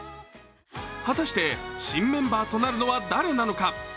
果たして新メンバーとなるのは誰なのか。